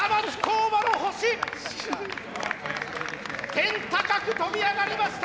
天高く跳び上がりました！